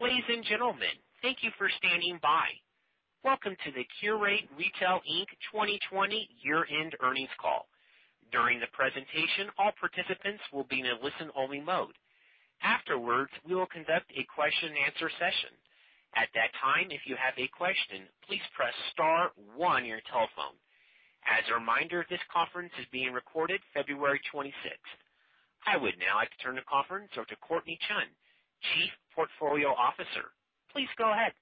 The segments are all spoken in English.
Ladies and gentlemen, thank you for standing by. Welcome to the Qurate Retail, Inc 2020 Year-End Earnings Call. During the presentation, all participants will be in a listen-only mode. Afterwards, we will conduct a question-and-answer session. At that time, if you have a question, please press star one on your telephone. As a reminder, this conference is being recorded February 26th. I would now like to turn the conference over to Courtnee Chun, Chief Portfolio Officer. Please go ahead.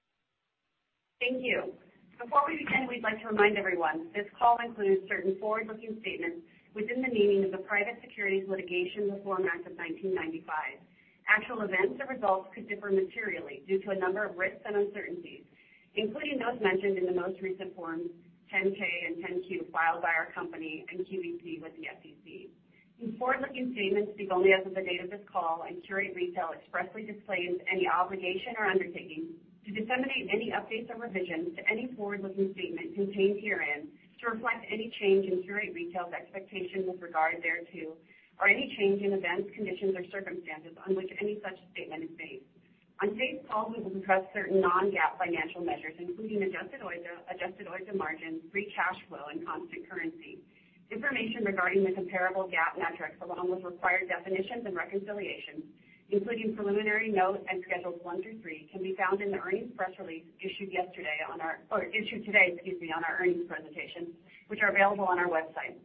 Thank you. Before we begin, we'd like to remind everyone this call includes certain forward-looking statements within the meaning of the Private Securities Litigation Reform Act of 1995. Actual events and results could differ materially due to a number of risks and uncertainties, including those mentioned in the most recent Form 10-K and 10-Q filed by our company and QVC with the SEC. These forward-looking statements speak only as of the date of this call, and Qurate Retail expressly disclaims any obligation or undertaking to disseminate any updates or revisions to any forward-looking statement contained herein to reflect any change in Qurate Retail's expectations with regard thereto, or any change in events, conditions, or circumstances on which any such statement is based. On today's call, we will discuss certain non-GAAP financial measures, including adjusted OIBDA, adjusted OIBDA margins, free cash flow, and constant currency. Information regarding the comparable GAAP metrics, along with required definitions and reconciliations, including preliminary note and schedules one through three, can be found in the earnings press release issued yesterday on our, or issued today, excuse me, on our earnings presentation, which are available on our website.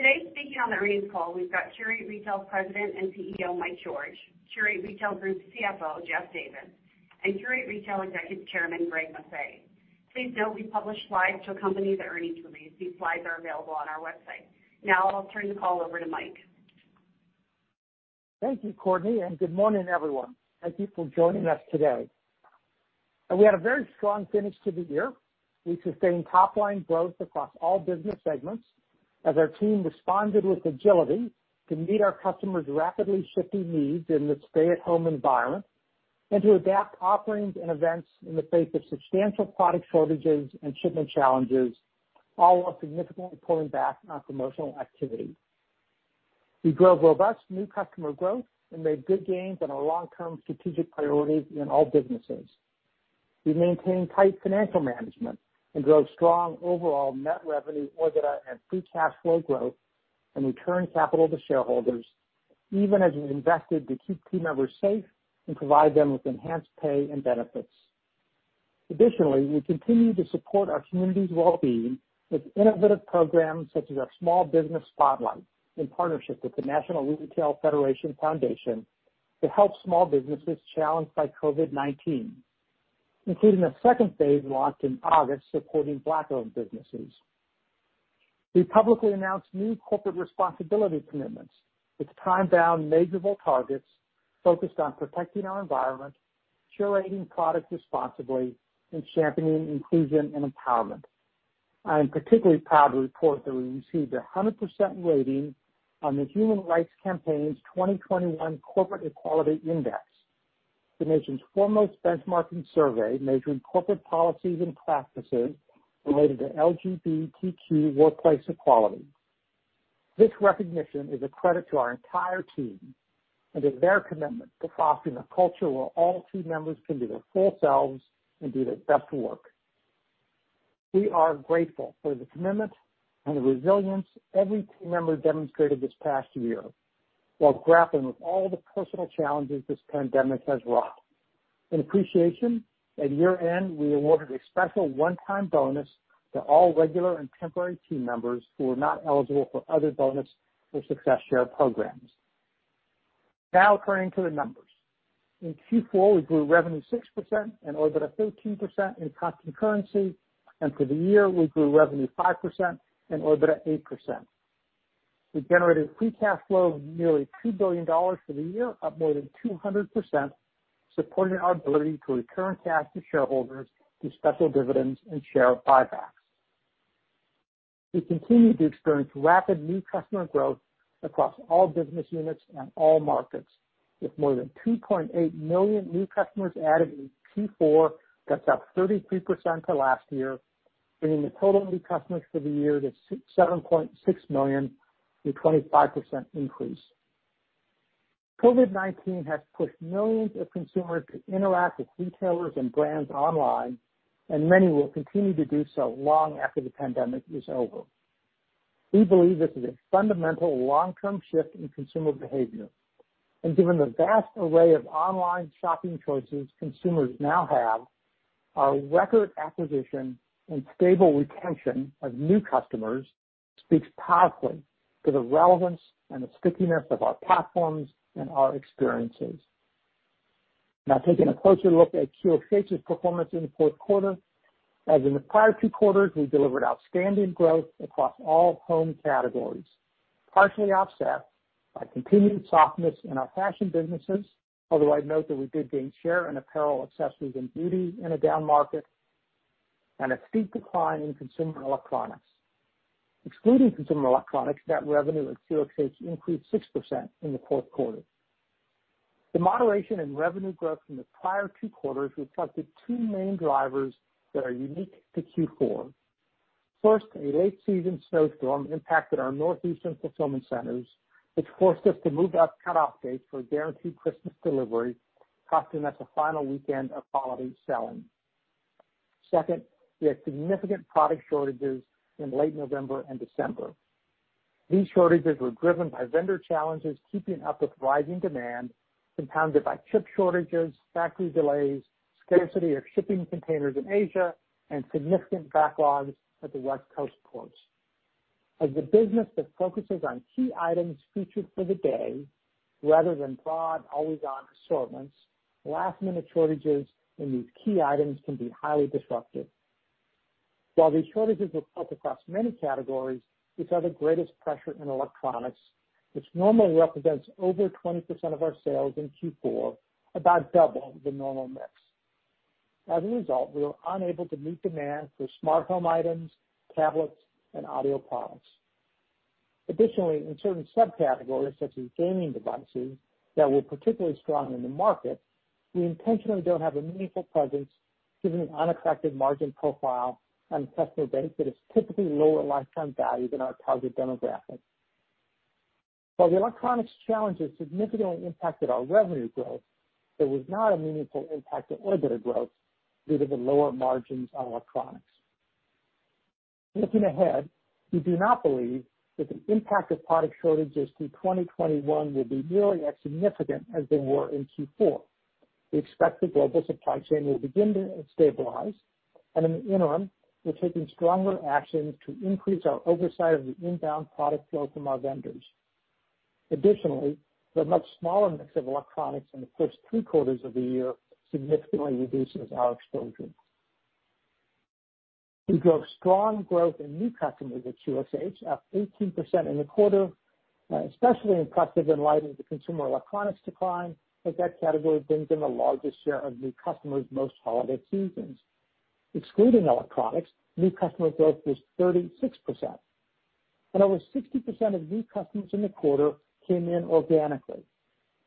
Today, speaking on the earnings call, we've got Qurate Retail's President and CEO, Mike George, Qurate Retail Group CFO, Jeff Davis, and Qurate Retail Executive Chairman, Greg Maffei. Please note we publish slides to accompany the earnings release. These slides are available on our website. Now I'll turn the call over to Mike. Thank you, Courtnee, and good morning, everyone. Thank you for joining us today. We had a very strong finish to the year. We sustained top-line growth across all business segments as our team responded with agility to meet our customers' rapidly shifting needs in the stay-at-home environment and to adapt offerings and events in the face of substantial product shortages and shipment challenges, all while significantly pulling back on promotional activity. We drove robust new customer growth and made good gains on our long-term strategic priorities in all businesses. We maintained tight financial management and drove strong overall net revenue, OIBDA, and free cash flow growth and returned capital to shareholders, even as we invested to keep team members safe and provide them with enhanced pay and benefits. Additionally, we continue to support our community's well-being with innovative programs such as our Small Business Spotlight in partnership with the National Retail Federation Foundation to help small businesses challenged by COVID-19, including a second phase launched in August supporting Black-owned businesses. We publicly announced new corporate responsibility commitments with time-bound, measurable targets focused on protecting our environment, curating products responsibly, and championing inclusion and empowerment. I am particularly proud to report that we received a 100% rating on the Human Rights Campaign's 2021 Corporate Equality Index, the nation's foremost benchmarking survey measuring corporate policies and practices related to LGBTQ workplace equality. This recognition is a credit to our entire team and to their commitment to fostering a culture where all team members can be their full selves and do their best work. We are grateful for the commitment and the resilience every team member demonstrated this past year while grappling with all the personal challenges this pandemic has wrought. In appreciation, at year-end, we awarded a special one-time bonus to all regular and temporary team members who were not eligible for other bonus or Success Share programs. Now turning to the numbers. In Q4, we grew revenue 6% and OIBDA 13% in constant currency, and for the year, we grew revenue 5% and OIBDA 8%. We generated free cash flow of nearly $2 billion for the year, up more than 200%, supporting our ability to return cash to shareholders through special dividends and share buybacks. We continue to experience rapid new customer growth across all business units and all markets, with more than 2.8 million new customers added in Q4, that's up 33% to last year, bringing the total new customers for the year to 7.6 million, a 25% increase. COVID-19 has pushed millions of consumers to interact with retailers and brands online, and many will continue to do so long after the pandemic is over. We believe this is a fundamental long-term shift in consumer behavior. And given the vast array of online shopping choices consumers now have, our record acquisition and stable retention of new customers speaks powerfully to the relevance and the stickiness of our platforms and our experiences. Now take an approach to look at QxH's performance in the fourth quarter. As in the prior two quarters, we delivered outstanding growth across all home categories, partially offset by continued softness in our fashion businesses, although I note that we did gain share in apparel, accessories, and beauty in a down market and a steep decline in consumer electronics. Excluding consumer electronics, net revenue at QxH increased 6% in the fourth quarter. The moderation in revenue growth from the prior two quarters reflected two main drivers that are unique to Q4. First, a late-season snowstorm impacted our northeastern fulfillment centers, which forced us to move up cut-off dates for guaranteed Christmas delivery, costing us a final weekend of quality selling. Second, we had significant product shortages in late November and December. These shortages were driven by vendor challenges keeping up with rising demand, compounded by chip shortages, factory delays, scarcity of shipping containers in Asia, and significant backlogs at the West Coast ports. As a business that focuses on key items featured for the day, rather than broad, always-on assortments, last-minute shortages in these key items can be highly disruptive. While these shortages were felt across many categories, we felt the greatest pressure in electronics, which normally represents over 20% of our sales in Q4, about double the normal mix. As a result, we were unable to meet demand for smart home items, tablets, and audio products. Additionally, in certain subcategories, such as gaming devices, that were particularly strong in the market, we intentionally don't have a meaningful presence given the unattractive margin profile and customer base that is typically lower lifetime value than our target demographic. While the electronics challenges significantly impacted our revenue growth, there was not a meaningful impact to OIBDA growth due to the lower margins on electronics. Looking ahead, we do not believe that the impact of product shortages through 2021 will be nearly as significant as they were in Q4. We expect the global supply chain will begin to stabilize, and in the interim, we're taking stronger actions to increase our oversight of the inbound product flow from our vendors. Additionally, the much smaller mix of electronics in the first three quarters of the year significantly reduces our exposure. We drove strong growth in new customers at QxH, up 18% in the quarter, especially impressive in light of the consumer electronics decline as that category brings in the largest share of new customers most holiday seasons. Excluding electronics, new customer growth was 36%. And over 60% of new customers in the quarter came in organically,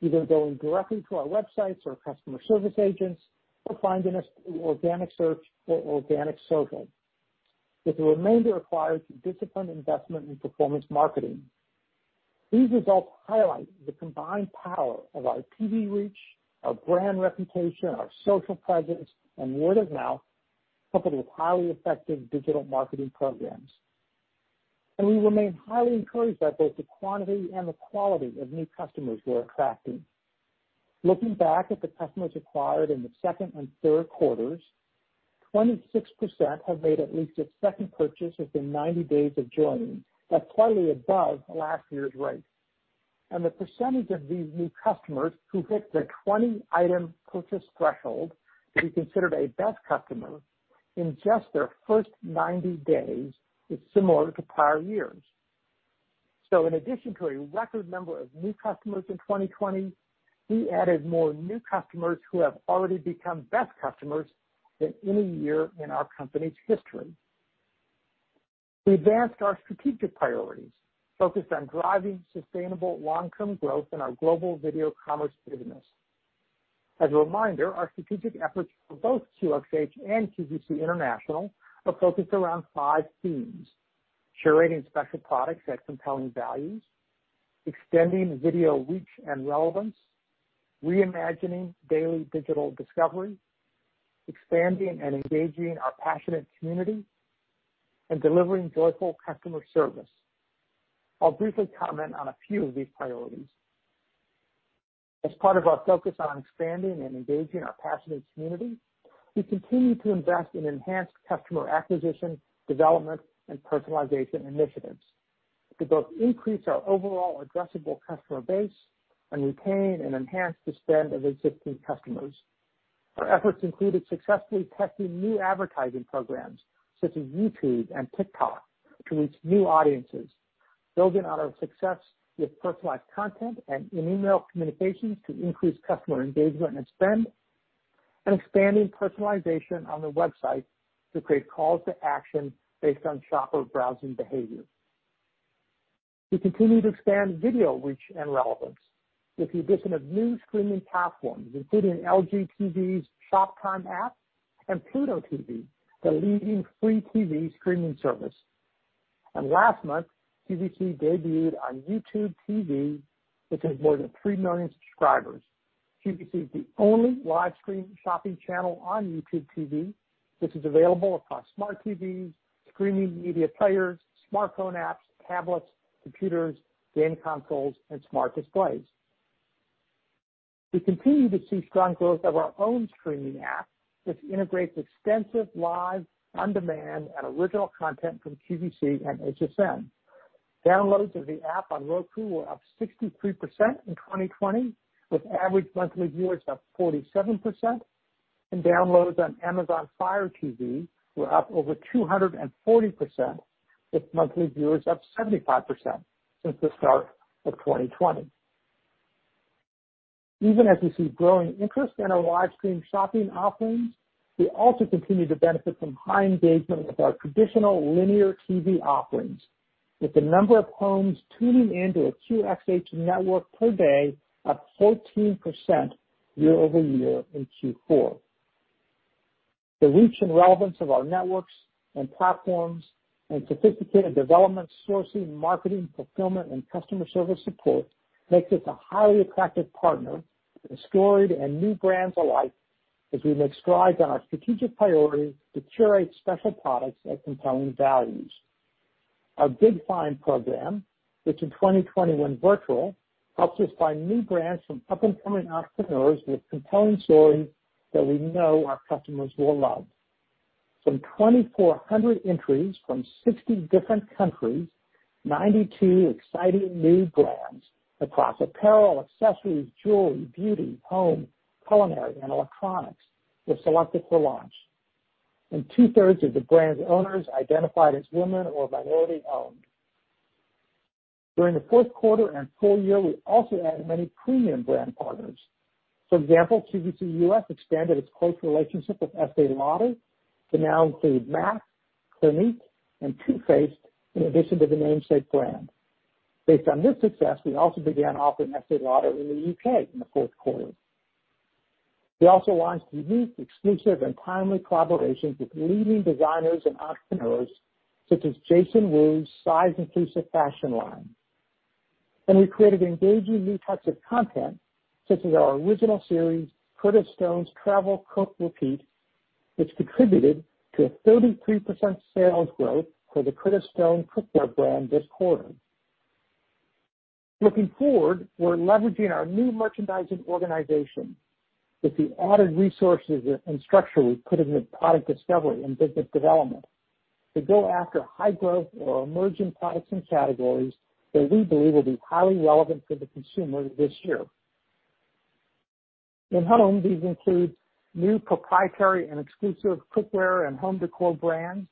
either going directly to our websites or customer service agents or finding us through organic search or organic social, with the remainder acquired through disciplined investment and performance marketing. These results highlight the combined power of our TV reach, our brand reputation, our social presence, and word-of-mouth, coupled with highly effective digital marketing programs. And we remain highly encouraged by both the quantity and the quality of new customers we're attracting. Looking back at the customers acquired in the second and third quarters, 26% have made at least a second purchase within 90 days of joining. That's slightly above last year's rate. And the percentage of these new customers who hit the 20-item purchase threshold to be considered a best customer in just their first 90 days is similar to prior years. So, in addition to a record number of new customers in 2020, we added more new customers who have already become best customers than any year in our company's history. We advanced our strategic priorities, focused on driving sustainable long-term growth in our global video commerce business. As a reminder, our strategic efforts for both QxH and QVC International are focused around five themes: curating special products at compelling values, extending video reach and relevance, reimagining daily digital discovery, expanding and engaging our passionate community, and delivering joyful customer service. I'll briefly comment on a few of these priorities. As part of our focus on expanding and engaging our passionate community, we continue to invest in enhanced customer acquisition, development, and personalization initiatives to both increase our overall addressable customer base and retain and enhance the spend of existing customers. Our efforts included successfully testing new advertising programs such as YouTube and TikTok to reach new audiences, building on our success with personalized content and in-email communications to increase customer engagement and spend, and expanding personalization on the website to create calls to action based on shopper browsing behavior. We continue to expand video reach and relevance with the addition of new streaming platforms, including LG TV's Shop Time app and Pluto TV, the leading free TV streaming service, and last month, QVC debuted on YouTube TV, which has more than three million subscribers. QVC is the only live-stream shopping channel on YouTube TV, which is available across smart TVs, streaming media players, smartphone apps, tablets, computers, game consoles, and smart displays. We continue to see strong growth of our own streaming app, which integrates extensive live on-demand and original content from QVC and HSN. Downloads of the app on Roku were up 63% in 2020, with average monthly viewers up 47%, and downloads on Amazon Fire TV were up over 240%, with monthly viewers up 75% since the start of 2020. Even as we see growing interest in our live-stream shopping offerings, we also continue to benefit from high engagement with our traditional linear TV offerings, with the number of homes tuning into a QxH network per day up 14% year-over-year in Q4. The reach and relevance of our networks and platforms and sophisticated development, sourcing, marketing, fulfillment, and customer service support makes us a highly attractive partner to storied and new brands alike as we make strides on our strategic priorities to curate special products at compelling values. Our Big Find program, which in 2020 went virtual, helps us find new brands from up-and-coming entrepreneurs with compelling stories that we know our customers will love. From 2,400 entries from 60 different countries, 92 exciting new brands across apparel, accessories, jewelry, beauty, home, culinary, and electronics were selected for launch, and 2/3 of the brand's owners identified as women or minority-owned. During the fourth quarter and full year, we also added many premium brand partners. For example, QVC U.S. expanded its close relationship with Estée Lauder to now include MAC, Clinique, and Too Faced in addition to the namesake brand. Based on this success, we also began offering Estée Lauder in the U.K. in the fourth quarter. We also launched unique, exclusive, and timely collaborations with leading designers and entrepreneurs such as Jason Wu's size-inclusive fashion line. We created engaging new types of content such as our original series, Curtis Stone's Travel, Cook, Repeat, which contributed to a 33% sales growth for the Curtis Stone cookware brand this quarter. Looking forward, we're leveraging our new merchandising organization with the added resources and structure we've put into product discovery and business development to go after high-growth or emerging products and categories that we believe will be highly relevant for the consumer this year. In home, these include new proprietary and exclusive cookware and home decor brands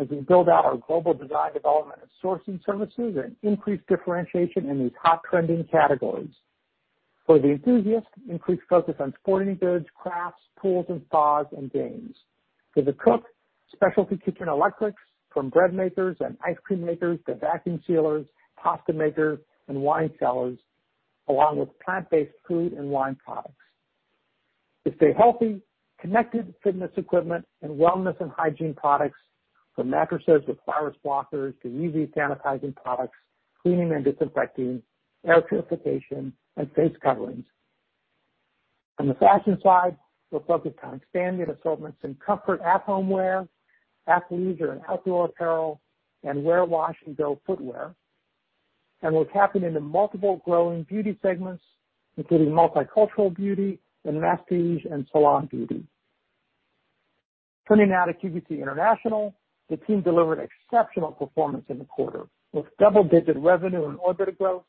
as we build out our global design development and sourcing services and increase differentiation in these hot-trending categories. For the enthusiasts, increased focus on sporting goods, crafts, pools and spas, and games. For the cook, specialty kitchen electrics from bread makers and ice cream makers to vacuum sealers, pasta makers, and wine sellers, along with plant-based food and wine products. To stay healthy, connected fitness equipment and wellness and hygiene products, from mattresses with virus blockers to UV sanitizing products, cleaning and disinfecting, air purification, and face coverings. On the fashion side, we're focused on expanding assortments in comfort at-home wear, athleisure and outdoor apparel, and wear-wash and go footwear. And we're tapping into multiple growing beauty segments, including multicultural beauty and masstige and salon beauty. Turning now to QVC International, the team delivered exceptional performance in the quarter with double-digit revenue and order growth,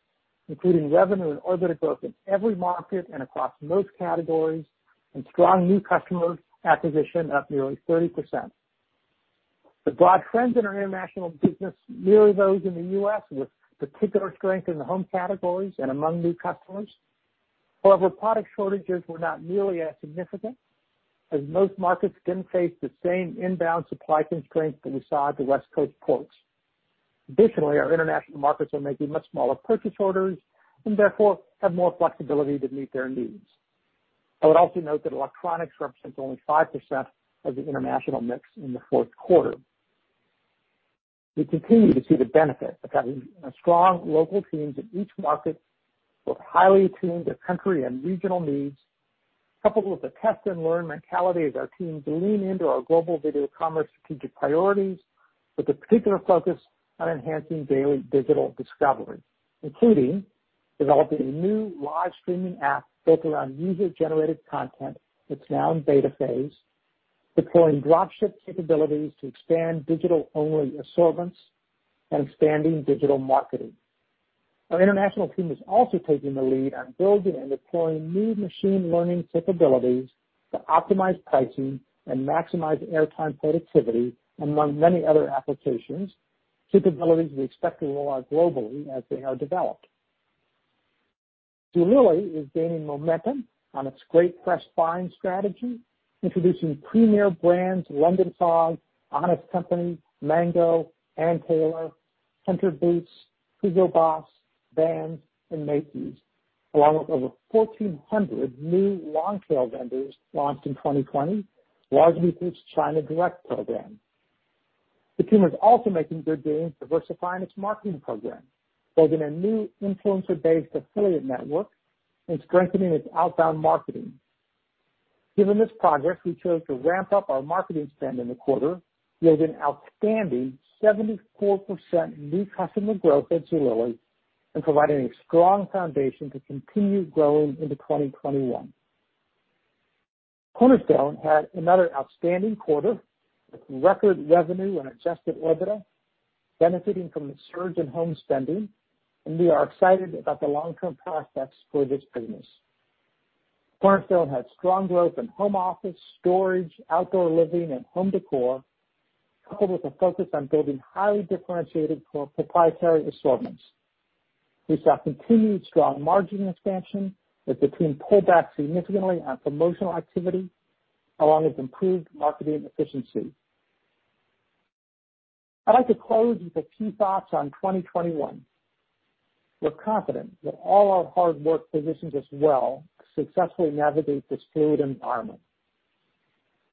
including revenue and order growth in every market and across most categories and strong new customer acquisition up nearly 30%. The broad trends in our international business mirror those in the U.S. with particular strength in the home categories and among new customers. However, product shortages were not nearly as significant as most markets didn't face the same inbound supply constraints that we saw at the West Coast ports. Additionally, our international markets are making much smaller purchase orders and therefore have more flexibility to meet their needs. I would also note that electronics represents only 5% of the international mix in the fourth quarter. We continue to see the benefit of having strong local teams in each market with highly attuned to country and regional needs, coupled with the test-and-learn mentality of our teams to lean into our global video commerce strategic priorities with a particular focus on enhancing daily digital discovery, including developing a new live-streaming app built around user-generated content that's now in beta phase, deploying dropship capabilities to expand digital-only assortments, and expanding digital marketing. Our international team is also taking the lead on building and deploying new machine learning capabilities to optimize pricing and maximize airtime productivity, among many other applications, capabilities we expect to roll out globally as they are developed. Zulily is gaining momentum on its great fresh buying strategy, introducing premier brands: London Fog, Honest Company, Mango, Ann Taylor, Hunter Boots, Hugo Boss, Vans, and Macy's, along with over 1,400 new long-tail vendors launched in 2020, largely through its China Direct program. The team is also making good gains diversifying its marketing program, building a new influencer-based affiliate network, and strengthening its outbound marketing. Given this progress, we chose to ramp up our marketing spend in the quarter, yielding outstanding 74% new customer growth at Zulily and providing a strong foundation to continue growing into 2021. Cornerstone had another outstanding quarter with record revenue and adjusted OIBDA, benefiting from the surge in home spending, and we are excited about the long-term prospects for this business. Cornerstone had strong growth in home office, storage, outdoor living, and home decor, coupled with a focus on building highly differentiated proprietary assortments. We saw continued strong margin expansion as the team pulled back significantly on promotional activity, along with improved marketing efficiency. I'd like to close with a few thoughts on 2021. We're confident that all our hardworking team members will as well successfully navigate this fluid environment.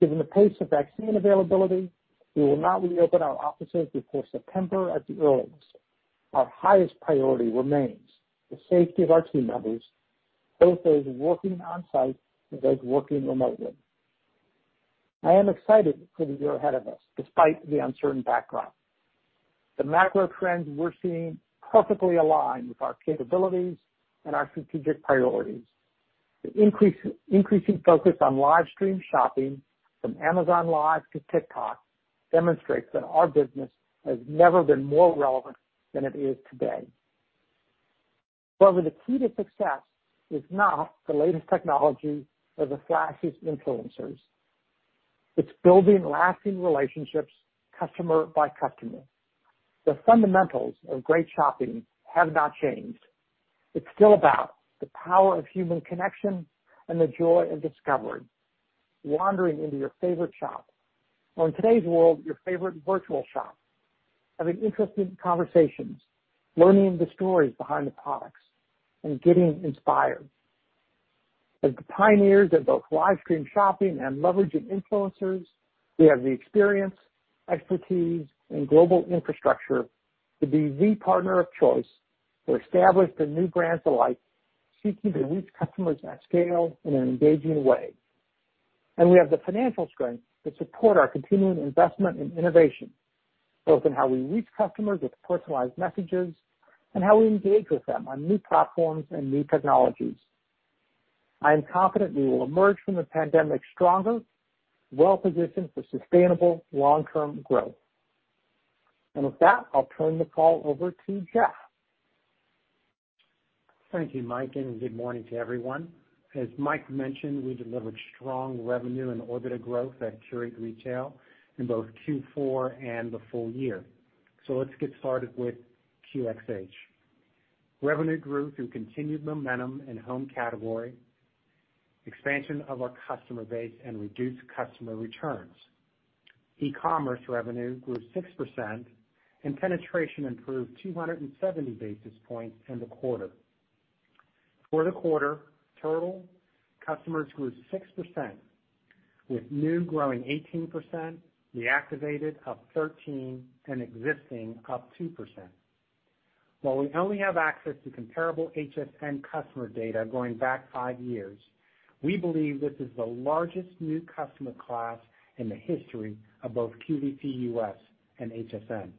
Given the pace of vaccine availability, we will not reopen our offices before September at the earliest. Our highest priority remains the safety of our team members, both those working on-site and those working remotely. I am excited for the year ahead of us despite the uncertain backdrop. The macro trends we're seeing perfectly align with our capabilities and our strategic priorities. The increasing focus on live-stream shopping from Amazon Live to TikTok demonstrates that our business has never been more relevant than it is today. However, the key to success is not the latest technology or the flashiest influencers. It's building lasting relationships customer by customer. The fundamentals of great shopping have not changed. It's still about the power of human connection and the joy of discovery, wandering into your favorite shop, or in today's world, your favorite virtual shop, having interesting conversations, learning the stories behind the products, and getting inspired. As the pioneers of both live-stream shopping and leveraging influencers, we have the experience, expertise, and global infrastructure to be the partner of choice to establish the new brands alike seeking to reach customers at scale in an engaging way. We have the financial strength to support our continuing investment in innovation, both in how we reach customers with personalized messages and how we engage with them on new platforms and new technologies. I am confident we will emerge from the pandemic stronger, well-positioned for sustainable long-term growth. With that, I'll turn the call over to Jeff. Thank you, Mike, and good morning to everyone. As Mike mentioned, we delivered strong revenue and OIBDA growth at Qurate Retail in both Q4 and the full year. Let's get started with QxH. Revenue grew through continued momentum in home category, expansion of our customer base, and reduced customer returns. E-commerce revenue grew 6%, and penetration improved 270 basis points in the quarter. For the quarter, total customers grew 6%, with new growing 18%, reactivated up 13%, and existing up 2%. While we only have access to comparable HSN customer data going back five years, we believe this is the largest new customer class in the history of both QVC U.S. and HSN.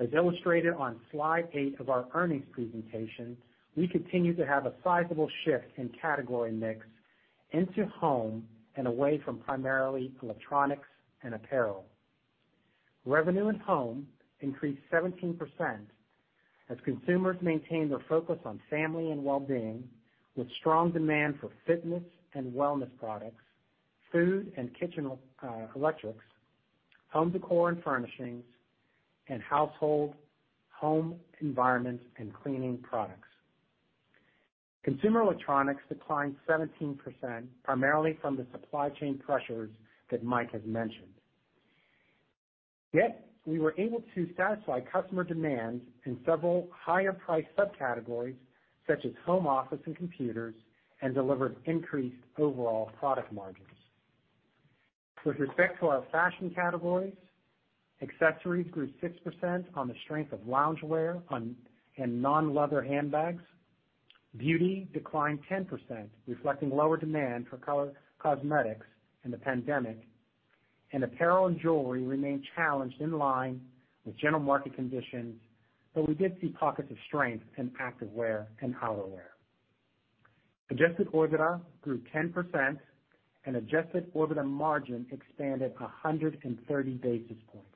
As illustrated on slide eight of our earnings presentation, we continue to have a sizable shift in category mix into home and away from primarily electronics and apparel. Revenue in home increased 17% as consumers maintained their focus on family and well-being, with strong demand for fitness and wellness products, food and kitchen electrics, home decor and furnishings, and household home environment and cleaning products. Consumer electronics declined 17%, primarily from the supply chain pressures that Mike has mentioned. Yet, we were able to satisfy customer demand in several higher-priced subcategories such as home office and computers and delivered increased overall product margins. With respect to our fashion category, accessories grew 6% on the strength of loungewear and non-leather handbags. Beauty declined 10%, reflecting lower demand for cosmetics in the pandemic, and apparel and jewelry remained challenged in line with general market conditions, but we did see pockets of strength in activewear and hollowware. Adjusted OIBDA grew 10%, and adjusted OIBDA margin expanded 130 basis points.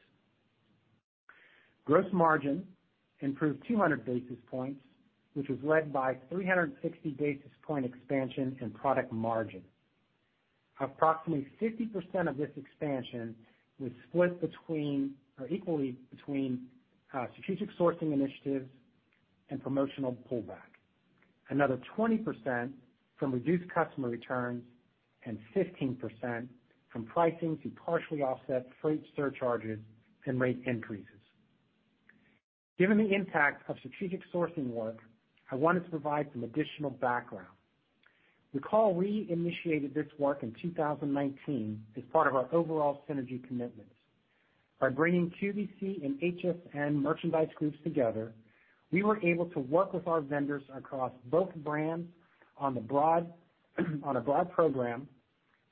Gross margin improved 200 basis points, which was led by 360 basis point expansion in product margin. Approximately 50% of this expansion was split equally between strategic sourcing initiatives and promotional pullback. Another 20% from reduced customer returns and 15% from pricing to partially offset freight surcharges and rate increases. Given the impact of strategic sourcing work, I wanted to provide some additional background. Recall we initiated this work in 2019 as part of our overall synergy commitments. By bringing QVC and HSN merchandise groups together, we were able to work with our vendors across both brands on a broad program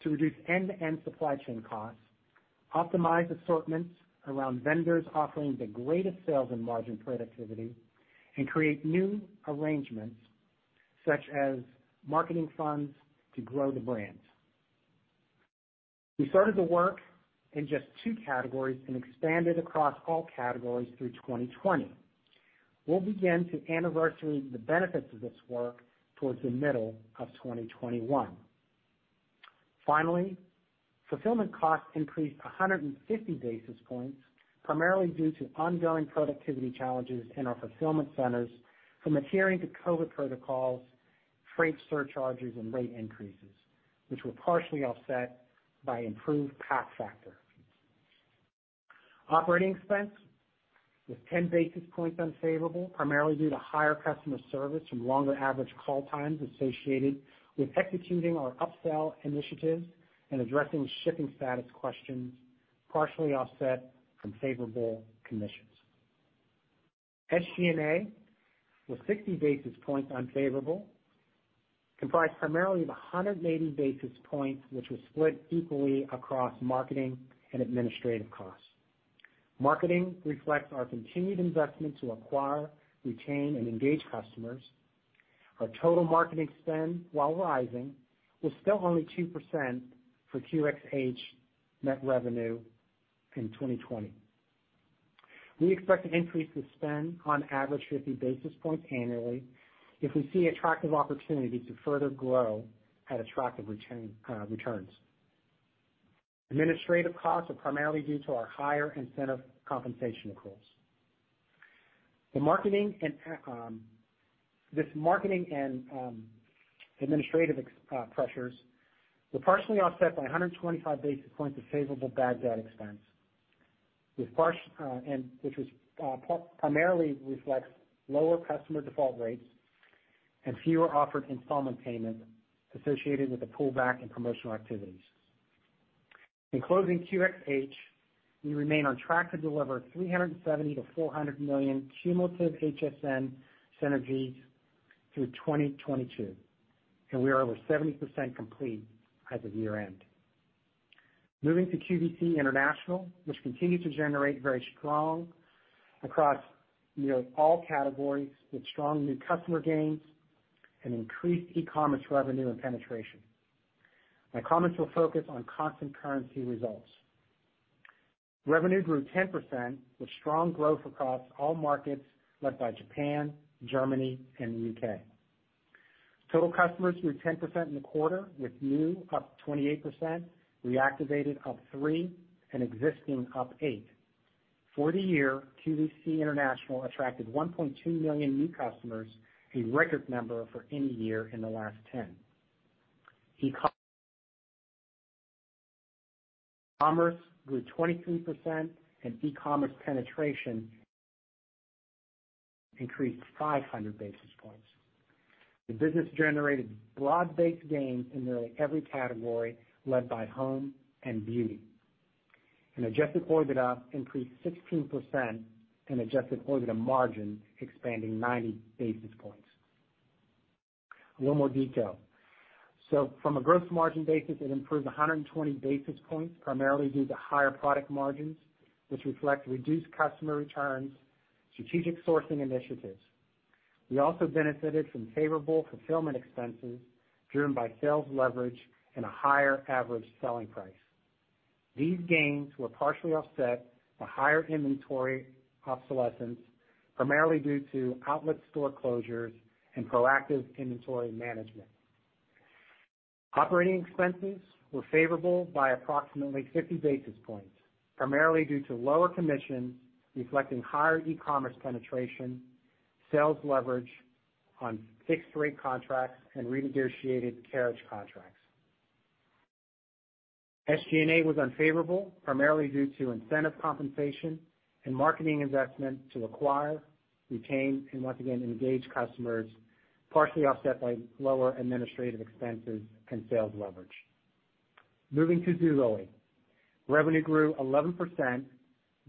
to reduce end-to-end supply chain costs, optimize assortments around vendors offering the greatest sales and margin productivity, and create new arrangements such as marketing funds to grow the brands. We started the work in just two categories and expanded across all categories through 2020. We'll begin to anniversary the benefits of this work towards the middle of 2021. Finally, fulfillment costs increased 150 basis points, primarily due to ongoing productivity challenges in our fulfillment centers from adhering to COVID protocols, freight surcharges, and rate increases, which were partially offset by improved pack factor. Operating expense was 10 basis points unfavorable, primarily due to higher customer service and longer average call times associated with executing our upsell initiatives and addressing shipping status questions, partially offset from favorable conditions. SG&A was 60 basis points unfavorable, comprised primarily of 180 basis points, which was split equally across marketing and administrative costs. Marketing reflects our continued investment to acquire, retain, and engage customers. Our total marketing spend, while rising, was still only 2% for QxH net revenue in 2020. We expect to increase the spend on average 50 basis points annually if we see attractive opportunities to further grow at attractive returns. Administrative costs are primarily due to our higher incentive compensation accruals. This marketing and administrative pressures were partially offset by 125 basis points of favorable bad debt expense, which primarily reflects lower customer default rates and fewer offered installment payments associated with the pullback in promotional activities. In closing QxH, we remain on track to deliver 370 million-400 million cumulative HSN synergies through 2022, and we are over 70% complete as of year-end. Moving to QVC International, which continues to generate very strong across nearly all categories with strong new customer gains and increased e-commerce revenue and penetration. My comments will focus on constant currency results. Revenue grew 10%, with strong growth across all markets led by Japan, Germany, and the U.K. Total customers grew 10% in the quarter, with new up 28%, reactivated up three, and existing up eight. For the year, QVC International attracted 1.2 million new customers, a record number for any year in the last 10. E-commerce grew 23%, and e-commerce penetration increased 500 basis points. The business generated broad-based gains in nearly every category led by home and beauty. Adjusted OIBDA increased 16%, and adjusted OIBDA margin expanded 90 basis points. A little more detail. So from a gross margin basis, it improved 120 basis points, primarily due to higher product margins, which reflects reduced customer returns, strategic sourcing initiatives. We also benefited from favorable fulfillment expenses driven by sales leverage and a higher average selling price. These gains were partially offset by higher inventory obsolescence, primarily due to outlet store closures and proactive inventory management. Operating expenses were favorable by approximately 50 basis points, primarily due to lower commissions reflecting higher e-commerce penetration, sales leverage on fixed-rate contracts, and renegotiated carriage contracts. SG&A was unfavorable, primarily due to incentive compensation and marketing investment to acquire, retain, and once again engage customers, partially offset by lower administrative expenses and sales leverage. Moving to Zulily, revenue grew 11%,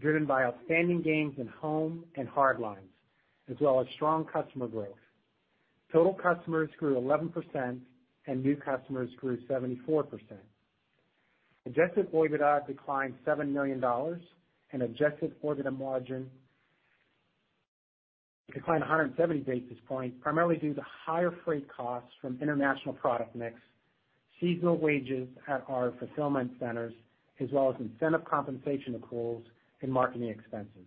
driven by outstanding gains in home and hardlines, as well as strong customer growth. Total customers grew 11%, and new customers grew 74%. Adjusted OIBDA declined $7 million, and adjusted OIBDA margin declined 170 basis points, primarily due to higher freight costs from international product mix, seasonal wages at our fulfillment centers, as well as incentive compensation accruals and marketing expenses.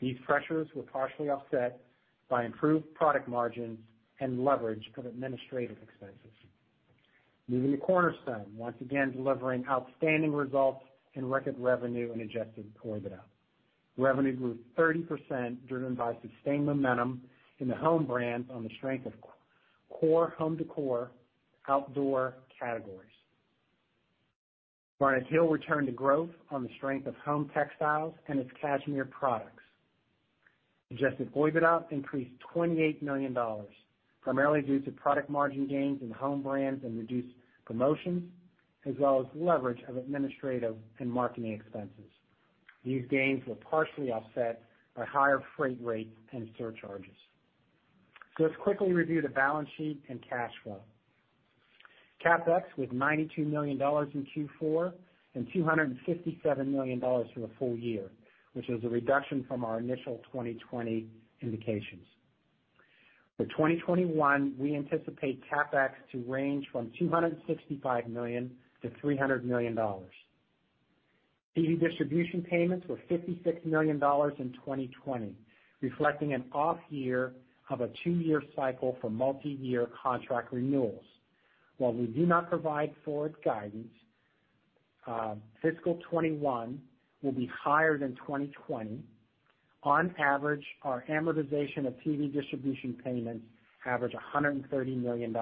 These pressures were partially offset by improved product margins and leverage of administrative expenses. Moving to Cornerstone, once again delivering outstanding results in record revenue and adjusted OIBDA. Revenue grew 30%, driven by sustained momentum in the home brands on the strength of core home decor outdoor categories. Garnet Hill returned to growth on the strength of home textiles and its cashmere products. Adjusted OIBDA increased $28 million, primarily due to product margin gains in home brands and reduced promotions, as well as leverage of administrative and marketing expenses. These gains were partially offset by higher freight rates and surcharges. So let's quickly review the balance sheet and cash flow. CapEx was $92 million in Q4 and $257 million for the full year, which is a reduction from our initial 2020 indications. For 2021, we anticipate CapEx to range from $265 million-$300 million. TV distribution payments were $56 million in 2020, reflecting an off-year of a two-year cycle for multi-year contract renewals. While we do not provide forward guidance, fiscal 2021 will be higher than 2020. On average, our amortization of TV distribution payments averaged $130 million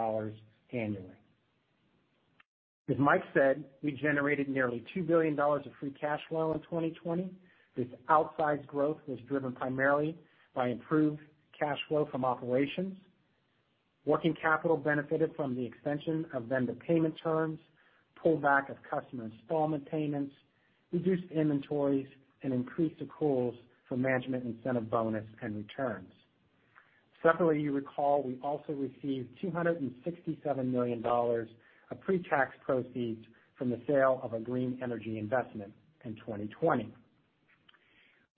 annually. As Mike said, we generated nearly $2 billion of free cash flow in 2020. This outsized growth was driven primarily by improved cash flow from operations. Working capital benefited from the extension of vendor payment terms, pullback of customer installment payments, reduced inventories, and increased accruals for management incentive bonus and returns. Separately, you recall we also received $267 million in pre-tax proceeds from the sale of a green energy investment in 2020.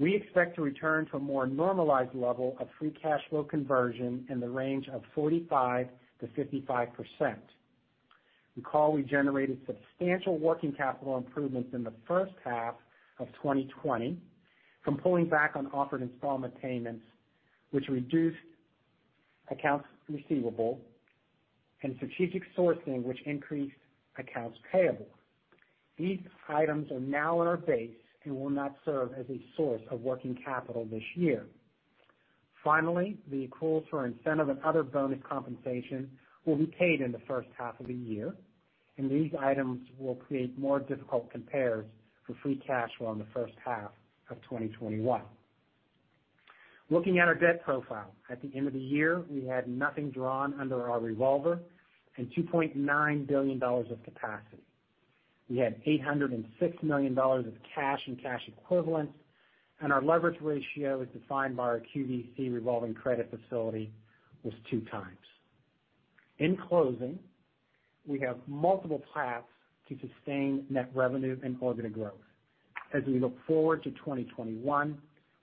We expect to return to a more normalized level of free cash flow conversion in the range of 45%-55%. Recall we generated substantial working capital improvements in the first half of 2020 from pulling back on offered installment payments, which reduced accounts receivable, and strategic sourcing, which increased accounts payable. These items are now in our base and will not serve as a source of working capital this year. Finally, the accruals for incentive and other bonus compensation will be paid in the first half of the year, and these items will create more difficult compares for free cash flow in the first half of 2021. Looking at our debt profile, at the end of the year, we had nothing drawn under our revolver and $2.9 billion of capacity. We had $806 million of cash and cash equivalents, and our leverage ratio, as defined by our QVC revolving credit facility, was two times. In closing, we have multiple paths to sustain net revenue and organic growth. As we look forward to 2021,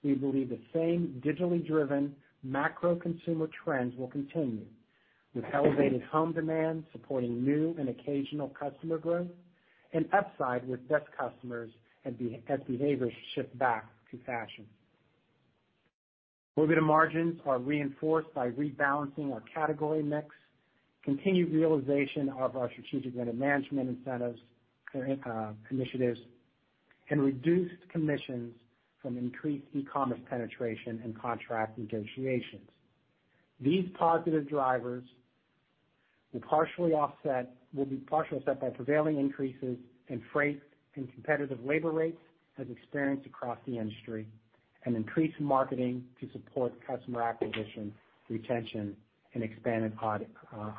we believe the same digitally driven macro consumer trends will continue, with elevated home demand supporting new and occasional customer growth and upside with best customers as behaviors shift back to fashion. OIBDA margins are reinforced by rebalancing our category mix, continued realization of our strategic vendor management initiatives, and reduced commissions from increased e-commerce penetration and contract negotiations. These positive drivers will be partially offset by prevailing increases in freight and competitive labor rates as experienced across the industry and increased marketing to support customer acquisition, retention, and expanded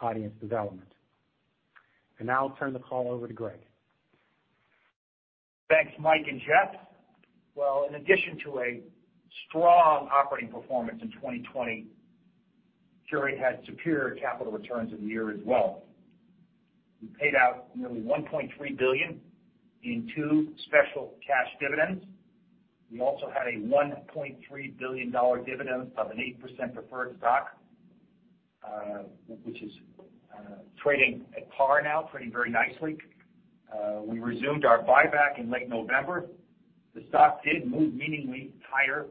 audience development. And now I'll turn the call over to Greg. Thanks, Mike and Jeff. Well, in addition to a strong operating performance in 2020, Qurate had superior capital returns of the year as well. We paid out nearly $1.3 billion in two special cash dividends. We also had a $1.3 billion dividend of an 8% preferred stock, which is trading at par now, trading very nicely. We resumed our buyback in late November. The stock did move meaningfully higher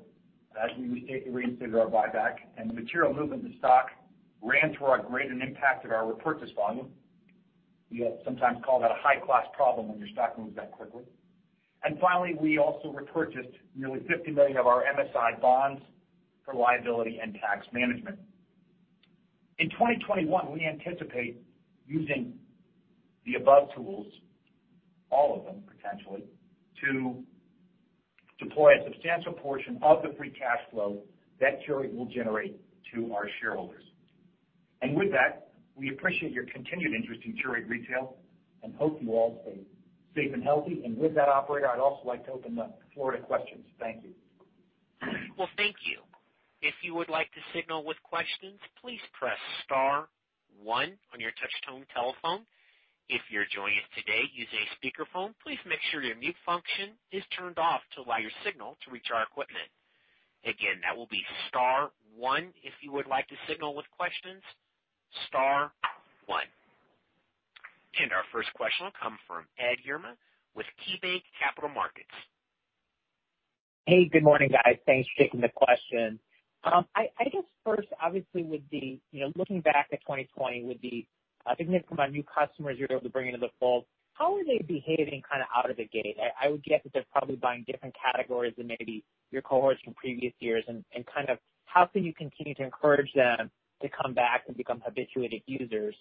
as we reinstated our buyback, and the material movement of the stock ran through our grid and impacted our repurchase volume. We sometimes call that a high-class problem when your stock moves that quickly. And finally, we also repurchased nearly $50 million of our MSI bonds for liability and tax management. In 2021, we anticipate, using the above tools, all of them potentially, to deploy a substantial portion of the free cash flow that Qurate will generate to our shareholders. And with that, we appreciate your continued interest in Qurate Retail and hope you all stay safe and healthy. And with that, operator, I'd also like to open the floor to questions. Thank you. Well, thank you. If you would like to signal with questions, please press star one on your touch-tone telephone. If you're joining us today using a speakerphone, please make sure your mute function is turned off to allow your signal to reach our equipment. Again, that will be star one if you would like to signal with questions, star one. And our first question will come from Ed Yruma with KeyBanc Capital Markets. Hey, good morning, guys. Thanks for taking the question. I guess first, obviously, looking back at 2020, with the significant amount of new customers you're able to bring into the fold, how are they behaving kind of out of the gate? I would guess that they're probably buying different categories than maybe your cohorts from previous years. And kind of how can you continue to encourage them to come back and become habituated users?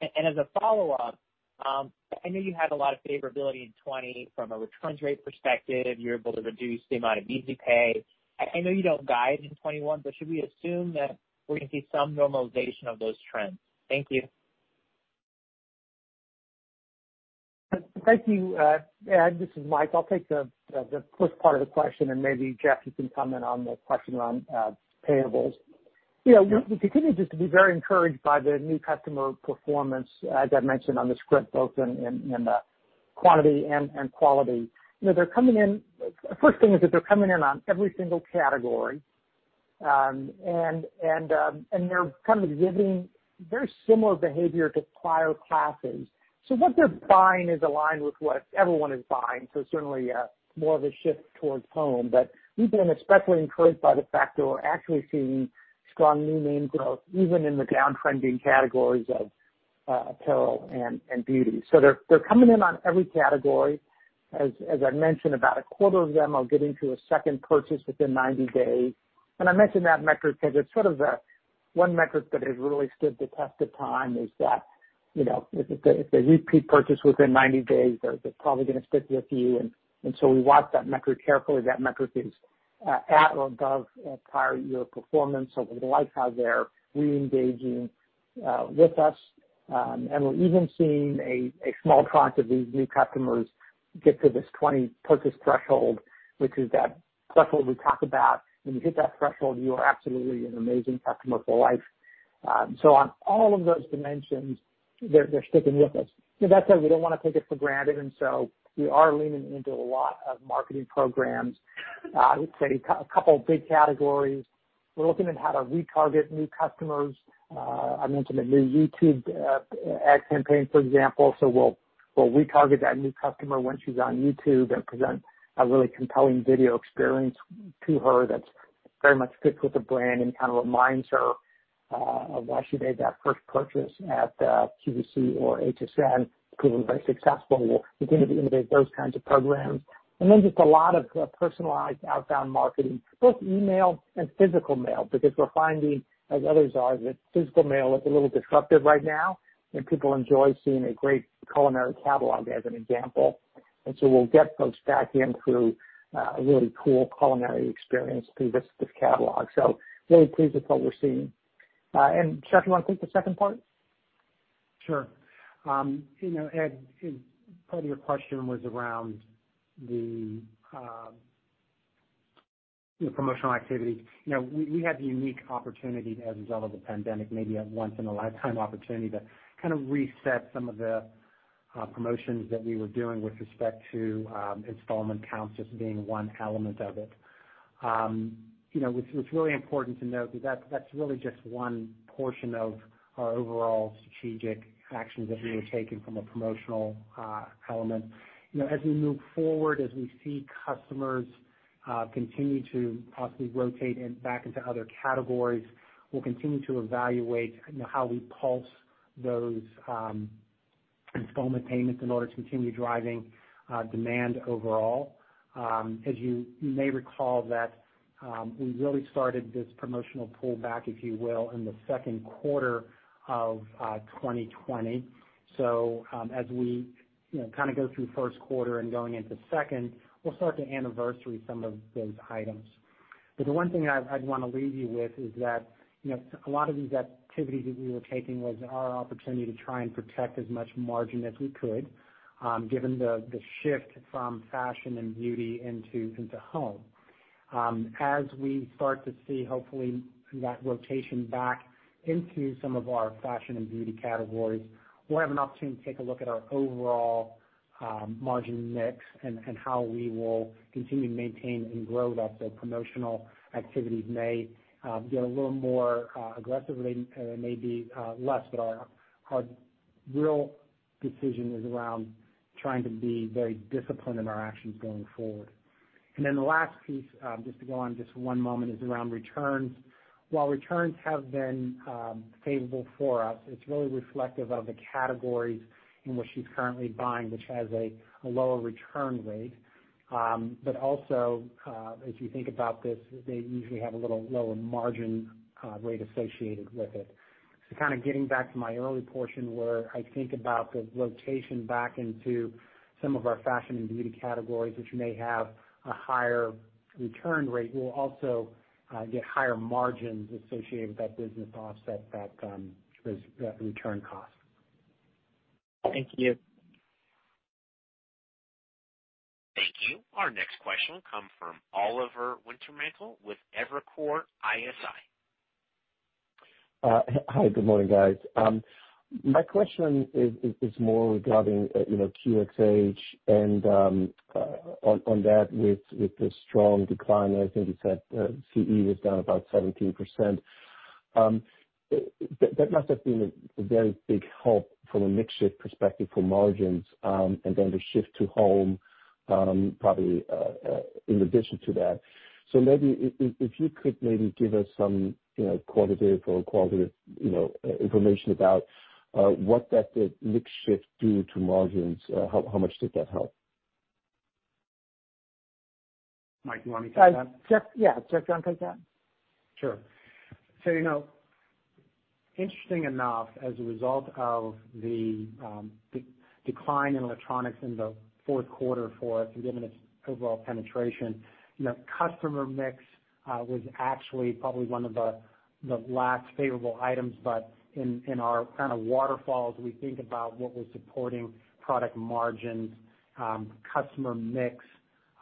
And as a follow-up, I know you had a lot of favorability in 2020 from a returns rate perspective. You were able to reduce the amount of Easy Pay. I know you don't guide in 2021, but should we assume that we're going to see some normalization of those trends? Thank you. Thank you, Ed. This is Mike. I'll take the first part of the question, and maybe Jeff, you can comment on the question around payables. We continue just to be very encouraged by the new customer performance, as I mentioned on the script, both in quantity and quality. They're coming in. First thing is that they're coming in on every single category, and they're kind of exhibiting very similar behavior to prior classes. So what they're buying is aligned with what everyone is buying, so certainly more of a shift towards home. But we've been especially encouraged by the fact that we're actually seeing strong new name growth, even in the downtrending categories of apparel and beauty. So they're coming in on every category. As I mentioned, about a quarter of them are getting to a second purchase within 90 days. And I mentioned that metric because it's sort of the one metric that has really stood the test of time, is that if they repeat purchase within 90 days, they're probably going to stick with you. And so we watch that metric carefully. That metric is at or above prior year performance. So we like how they're re-engaging with us. And we're even seeing a small prompt of these new customers get to this 20 purchase threshold, which is that threshold we talk about. When you hit that threshold, you are absolutely an amazing customer for life. So on all of those dimensions, they're sticking with us. That said, we don't want to take it for granted, and so we are leaning into a lot of marketing programs. I would say a couple of big categories. We're looking at how to retarget new customers. I mentioned a new YouTube ad campaign, for example, so we'll retarget that new customer when she's on YouTube and present a really compelling video experience to her that's very much fits with the brand and kind of reminds her of why she made that first purchase at QVC or HSN, proven very successful. We'll continue to innovate those kinds of programs, and then just a lot of personalized outbound marketing, both email and physical mail, because we're finding, as others are, that physical mail is a little disruptive right now, and people enjoy seeing a great culinary catalog as an example, and so we'll get folks back in through a really cool culinary experience through this catalog, so really pleased with what we're seeing, and Jeff, you want to take the second part? Sure. Ed, part of your question was around the promotional activity. We had the unique opportunity, as a result of the pandemic, maybe a once-in-a-lifetime opportunity to kind of reset some of the promotions that we were doing with respect to installment counts just being one element of it. It's really important to note that that's really just one portion of our overall strategic actions that we were taking from a promotional element. As we move forward, as we see customers continue to possibly rotate back into other categories, we'll continue to evaluate how we pulse those installment payments in order to continue driving demand overall. As you may recall, we really started this promotional pullback, if you will, in the second quarter of 2020. So as we kind of go through first quarter and going into second, we'll start to anniversary some of those items. But the one thing I'd want to leave you with is that a lot of these activities that we were taking was our opportunity to try and protect as much margin as we could, given the shift from fashion and beauty into home. As we start to see, hopefully, that rotation back into some of our fashion and beauty categories, we'll have an opportunity to take a look at our overall margin mix and how we will continue to maintain and grow that. So promotional activities may get a little more aggressive or they may be less, but our real decision is around trying to be very disciplined in our actions going forward. And then the last piece, just to go on just one moment, is around returns. While returns have been favorable for us, it's really reflective of the categories in which she's currently buying, which has a lower return rate. But also, as you think about this, they usually have a little lower margin rate associated with it. So kind of getting back to my early portion where I think about the rotation back into some of our fashion and beauty categories, which may have a higher return rate, we'll also get higher margins associated with that business to offset that return cost. Thank you. Thank you. Our next question will come from Oliver Wintermantel with Evercore ISI. Hi. Good morning, guys. My question is more regarding QxH and on that, with the strong decline, I think you said CE was down about 17%. That must have been a very big help from a mix perspective for margins and then the shift to home, probably in addition to that. So maybe if you could give us some qualitative information about what that mix shift did to margins, how much did that help? Mike, do you want me to take that? Jeff, yeah. Jeff, do you want to take that? Sure. So interesting enough, as a result of the decline in electronics in the fourth quarter for us and given its overall penetration, customer mix was actually probably one of the last favorable items. But in our kind of waterfalls, we think about what was supporting product margins, customer mix,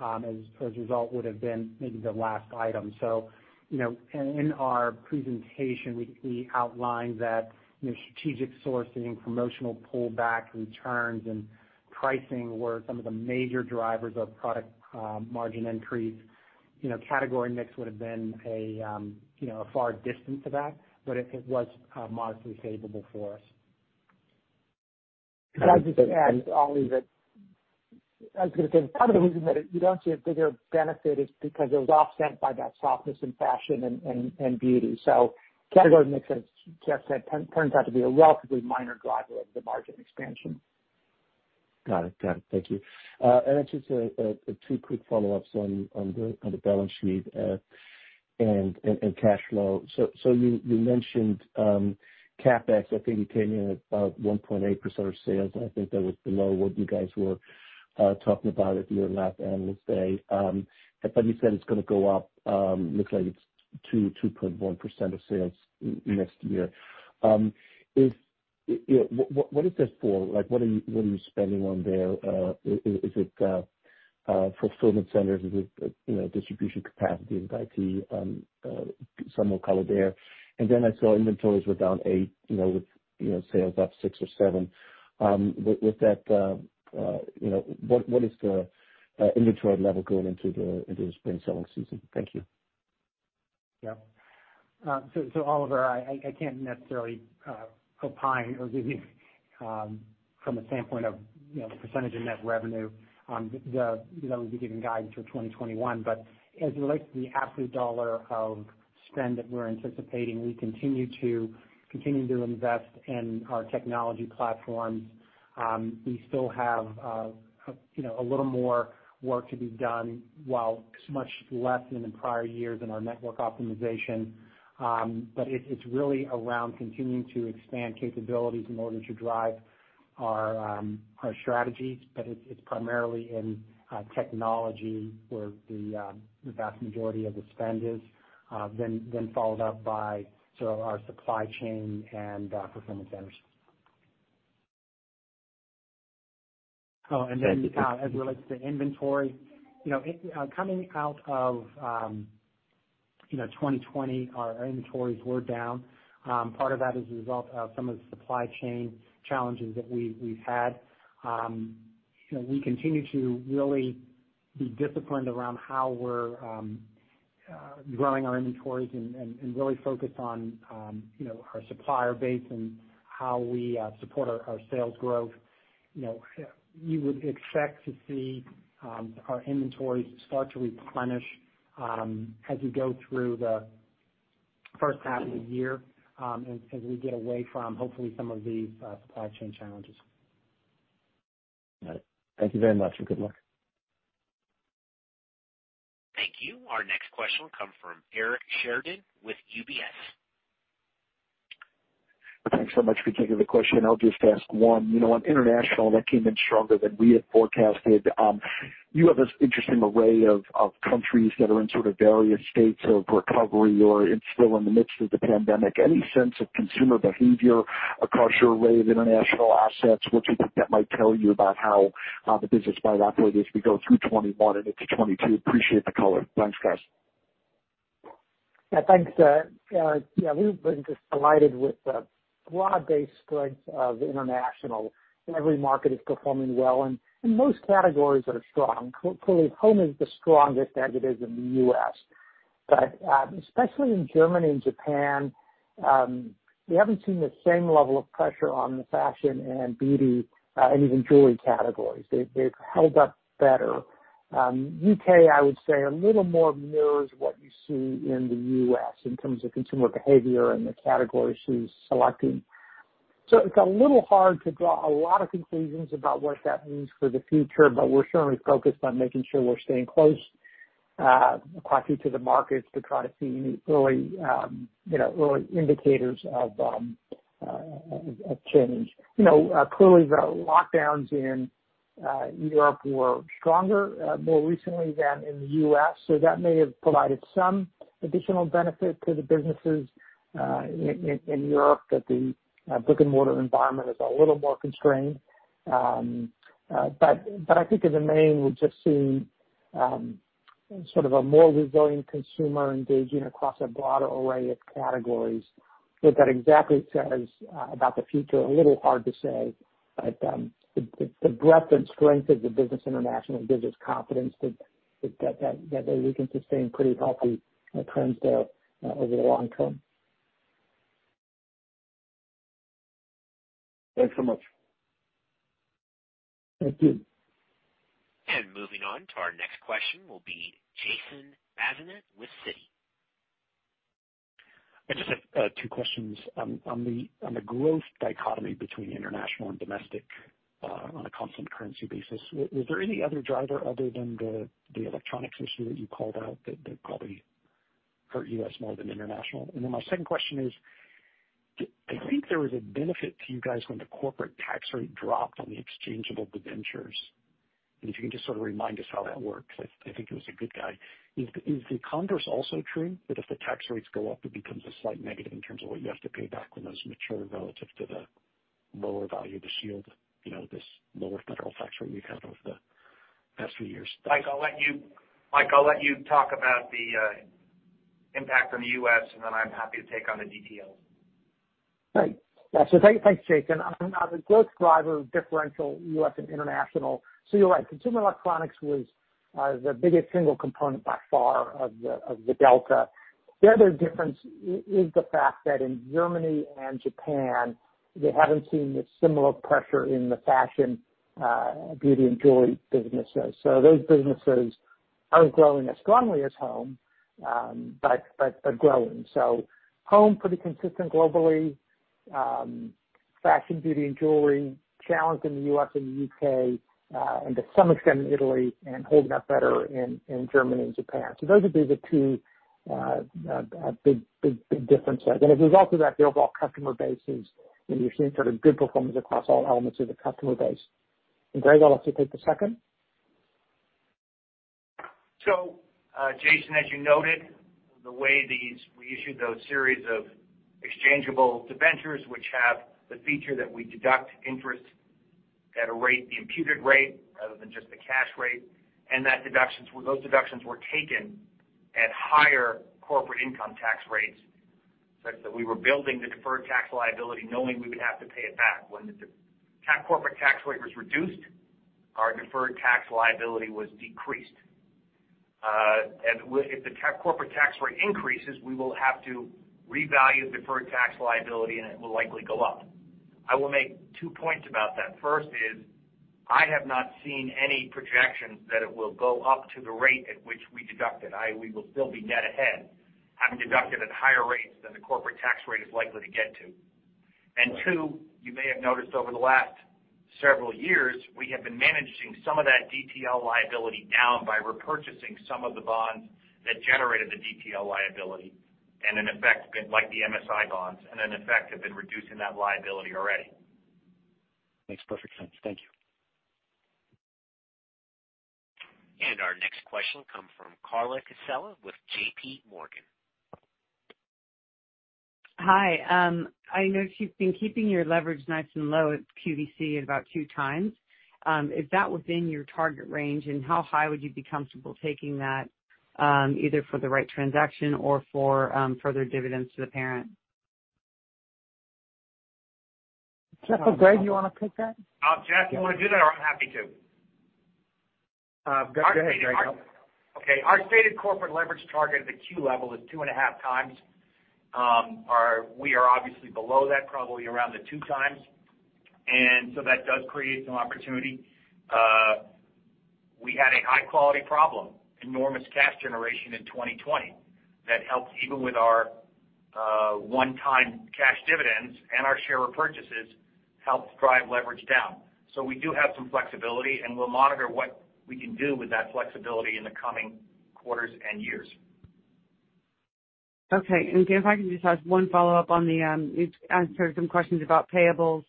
as a result would have been maybe the last item. In our presentation, we outlined that strategic sourcing, promotional pullback, returns, and pricing were some of the major drivers of product margin increase. Category mix would have been a far distance to that, but it was modestly favorable for us. Can I just add, Oli, that I was going to say part of the reason that you don't see a bigger benefit is because it was offset by that softness in fashion and beauty. Category mix, as Jeff said, turns out to be a relatively minor driver of the margin expansion. Got it. Got it. Thank you. Just two quick follow-ups on the balance sheet and cash flow. You mentioned CapEx, I think came in at about 1.8% of sales. I think that was below what you guys were talking about at your last Analyst Day. But you said it's going to go up. Looks like it's 2.1% of sales next year. What is that for? What are you spending on there? Is it fulfillment centers? Is it distribution capacity with IT? Some more color there. And then I saw inventories were down eight, with sales up six or seven. With that, what is the inventory level going into the spring selling season? Thank you. Yep, so Oliver, I can't necessarily opine or give you from a standpoint of percentage of net revenue. We've been giving guidance for 2021, but as it relates to the absolute dollar of spend that we're anticipating, we continue to invest in our technology platforms. We still have a little more work to be done while much less than in prior years in our network optimization, but it's really around continuing to expand capabilities in order to drive our strategies. But it's primarily in technology where the vast majority of the spend is, then followed up by our supply chain and fulfillment centers. Oh, and then as it relates to inventory, coming out of 2020, our inventories were down. Part of that is a result of some of the supply chain challenges that we've had. We continue to really be disciplined around how we're growing our inventories and really focused on our supplier base and how we support our sales growth. You would expect to see our inventories start to replenish as we go through the first half of the year and as we get away from, hopefully, some of these supply chain challenges. Got it. Thank you very much. And good luck. Thank you. Our next question will come from Eric Sheridan with UBS. Thanks so much for taking the question. I'll just ask one. On international, that came in stronger than we had forecasted. You have an interesting array of countries that are in sort of various states of recovery or still in the midst of the pandemic. Any sense of consumer behavior across your array of international assets? What do you think that might tell you about how the business might operate as we go through 2021 and into 2022? Appreciate the color. Thanks, guys. Yeah, thanks. Yeah, we've been just delighted with the broad-based strength of international. Every market is performing well, and most categories are strong. Hopefully, home is the strongest as it is in the U.S. But especially in Germany and Japan, we haven't seen the same level of pressure on the fashion and beauty and even jewelry categories. They've held up better. U.K., I would say, a little more mirrors what you see in the U.S. in terms of consumer behavior and the categories she's selecting. So it's a little hard to draw a lot of conclusions about what that means for the future, but we're certainly focused on making sure we're staying close and quietly to the markets to try to see any early indicators of change. Clearly, the lockdowns in Europe were stronger more recently than in the U.S. So that may have provided some additional benefit to the businesses in Europe that the brick-and-mortar environment is a little more constrained. But I think in the main, we've just seen sort of a more resilient consumer engaging across a broader array of categories. What that exactly says about the future, a little hard to say. But the breadth and strength of the business international gives us confidence that we can sustain pretty healthy trends there over the long term. Thanks so much. Thank you. And moving on to our next question will be Jason Bazinet with Citi. Just two questions. On the growth dichotomy between international and domestic on a constant currency basis, was there any other driver other than the electronics issue that you called out that probably hurt U.S. more than international? And then my second question is, I think there was a benefit to you guys when the corporate tax rate dropped on the exchangeable debentures. And if you can just sort of remind us how that worked, I think it was a good guy. Is the converse also true that if the tax rates go up, it becomes a slight negative in terms of what you have to pay back when those mature relative to the lower value of the shield, this lower federal tax rate we've had over the past few years? Mike, I'll let you talk about the impact on the U.S., and then I'm happy to take on the details. Right. Yeah. So thanks, Jason. The growth driver of differential U.S. and international, so you're right. Consumer electronics was the biggest single component by far of the delta. The other difference is the fact that in Germany and Japan, we haven't seen this similar pressure in the fashion, beauty, and jewelry businesses. So those businesses aren't growing as strongly as home, but growing. So home, pretty consistent globally. Fashion, beauty, and jewelry challenged in the U.S. and the U.K., and to some extent in Italy and holding up better in Germany and Japan. So those would be the two big differences. And as a result of that, the overall customer base is, and you're seeing sort of good performance across all elements of the customer base. And Greg, I'll let you take the second. So Jason, as you noted, the way we issued those series of exchangeable debentures, which have the feature that we deduct interest at a rate, the imputed rate rather than just the cash rate, and those deductions were taken at higher corporate income tax rates, such that we were building the deferred tax liability knowing we would have to pay it back. When the corporate tax rate was reduced, our deferred tax liability was decreased. If the corporate tax rate increases, we will have to revalue the deferred tax liability, and it will likely go up. I will make two points about that. First is, I have not seen any projections that it will go up to the rate at which we deduct it. We will still be net ahead, having deducted at higher rates than the corporate tax rate is likely to get to. And two, you may have noticed over the last several years, we have been managing some of that DTL liability down by repurchasing some of the bonds that generated the DTL liability and, in effect, like the MSI bonds, and in effect, have been reducing that liability already. Makes perfect sense. Thank you. Our next question will come from Carla Casella with JPMorgan. Hi. I noticed you've been keeping your leverage nice and low at QVC at about two times. Is that within your target range, and how high would you be comfortable taking that either for the right transaction or for further dividends to the parent? Jeff or Greg, do you want to take that? Jeff, do you want to do that, or I'm happy to. Go ahead, Greg. Okay. Our stated corporate leverage target at the Q level is two and a half times. We are obviously below that, probably around the two times. And so that does create some opportunity. We had a high-quality problem, enormous cash generation in 2020, that helped even with our one-time cash dividends and our share repurchases helped drive leverage down. So we do have some flexibility, and we'll monitor what we can do with that flexibility in the coming quarters and years. Okay. Jeff, I can just ask one follow-up on the. You've answered some questions about payables.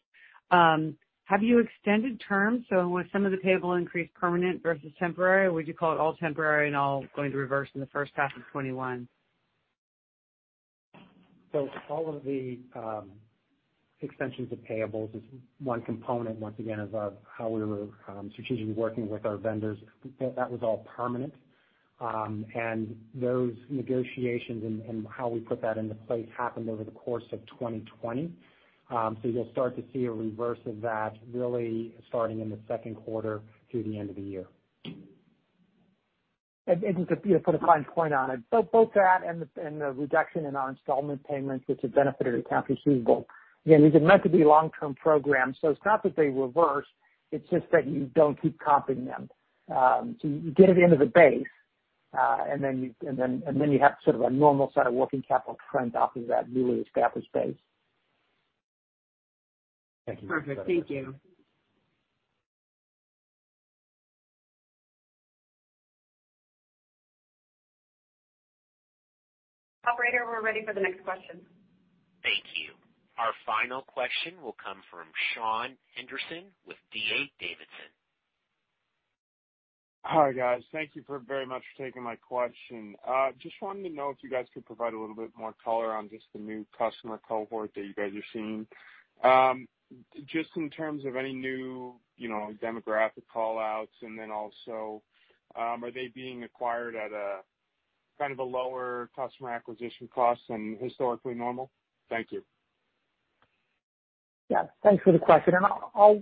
Have you extended terms? So was some of the payable increase permanent versus temporary, or would you call it all temporary and all going to reverse in the first half of 2021? So all of the extensions of payables is one component, once again, of how we were strategically working with our vendors. That was all permanent. And those negotiations and how we put that into place happened over the course of 2020. So you'll start to see a reverse of that really starting in the second quarter through the end of the year. And just to put a fine point on it, both that and the reduction in our installment payments, which have benefited accounts receivable, again, these are meant to be long-term programs. So it's not that they reverse. It's just that you don't keep comping them. So you get it into the base, and then you have sort of a normal set of working capital trends off of that newly established base. Thank you. Perfect. Thank you. Operator, we're ready for the next question. Thank you. Our final question will come from Sean Henderson with D.A. Davidson. Hi guys. Thank you very much for taking my question. Just wanted to know if you guys could provide a little bit more color on just the new customer cohort that you guys are seeing. Just in terms of any new demographic callouts and then also, are they being acquired at kind of a lower customer acquisition cost than historically normal? Thank you. Yeah. Thanks for the question. I'll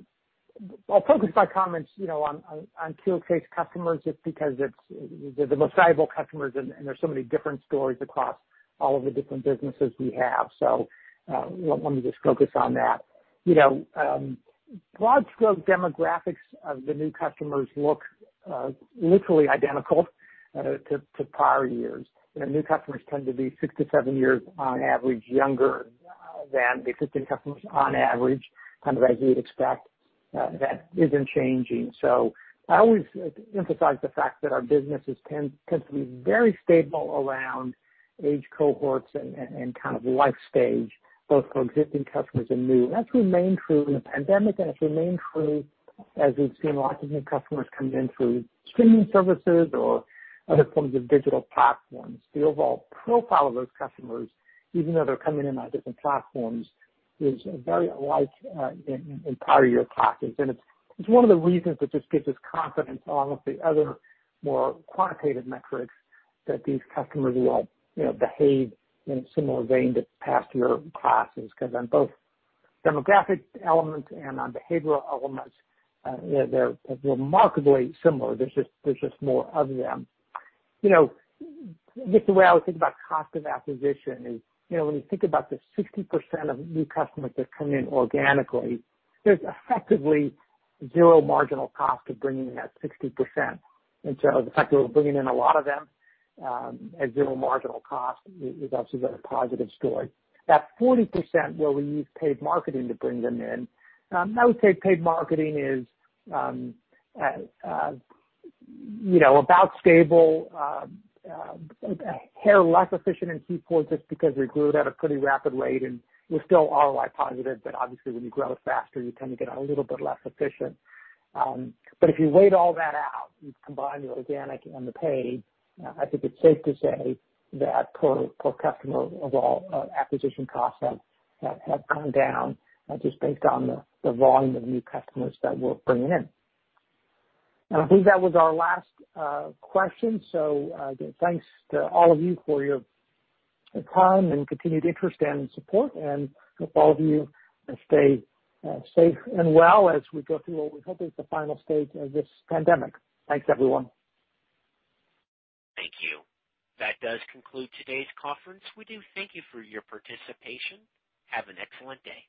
focus my comments on QxH customers just because they're the most valuable customers, and there's so many different stories across all of the different businesses we have. So let me just focus on that. Broad stroke demographics of the new customers look literally identical to prior years. New customers tend to be six to seven years on average younger than the existing customers on average, kind of as you would expect. That isn't changing. So I always emphasize the fact that our businesses tend to be very stable around age cohorts and kind of life stage, both for existing customers and new. And that's remained true in the pandemic, and it's remained true as we've seen lots of new customers come in through streaming services or other forms of digital platforms. The overall profile of those customers, even though they're coming in on different platforms, is very alike in prior year classes, and it's one of the reasons that just gives us confidence on all of the other more quantitative metrics that these customers will behave in a similar vein to past year classes because on both demographic elements and on behavioral elements, they're remarkably similar. There's just more of them. I guess the way I would think about cost of acquisition is when you think about the 60% of new customers that come in organically, there's effectively zero marginal cost of bringing that 60%, and so the fact that we're bringing in a lot of them at zero marginal cost is actually a very positive story. That 40% where we use paid marketing to bring them in. I would say paid marketing is about stable, a hair less efficient in Q4 just because we grew at a pretty rapid rate and we're still ROI positive. But obviously, when you grow it faster, you tend to get a little bit less efficient. But if you weigh all that out, you combine the organic and the paid. I think it's safe to say that per customer, overall acquisition costs have gone down just based on the volume of new customers that we're bringing in. I believe that was our last question. So again, thanks to all of you for your time and continued interest and support. I hope all of you stay safe and well as we go through what we hope is the final stage of this pandemic. Thanks, everyone. Thank you. That does conclude today's conference. We do thank you for your participation. Have an excellent day.